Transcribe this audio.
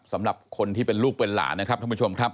สำหรับคนที่เป็นลูกเป็นหลานนะครับท่านผู้ชมครับ